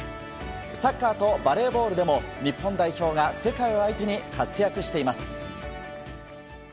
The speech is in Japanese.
サッカーとバレーボールでも、日本代表が世界を相手に活躍しています。